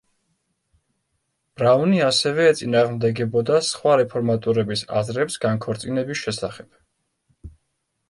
ბრაუნი ასევე ეწინააღმდეგებოდა სხვა რეფორმატორების აზრებს განქორწინების შესახებ.